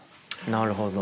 なるほど。